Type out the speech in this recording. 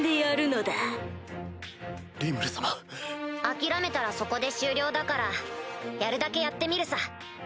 諦めたらそこで終了だからやるだけやってみるさ。